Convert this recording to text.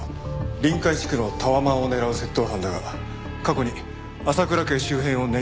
臨海地区のタワマンを狙う窃盗犯だが過去に浅倉家周辺を根城にしていた。